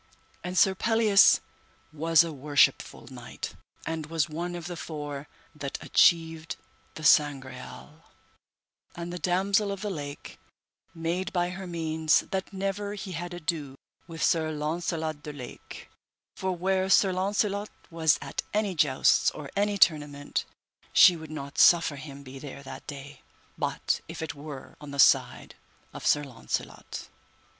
And Sir Pelleas was a worshipful knight, and was one of the four that achieved the Sangreal, and the Damosel of the Lake made by her means that never he had ado with Sir Launcelot de Lake, for where Sir Launcelot was at any jousts or any tournament, she would not suffer him be there that day, but if it were on the side of Sir Launcelot.